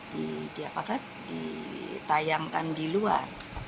di apa kan ditayangkan di luar